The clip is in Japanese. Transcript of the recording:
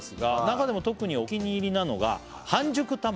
「中でも特にお気に入りなのが半熟卵」